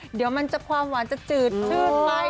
เดี๋ยวมันจะความหวานจะจืดจืดไป